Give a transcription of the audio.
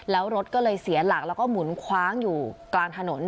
แล้วรถก็เลยเสียหลักแล้วก็หมุนคว้างอยู่กลางถนน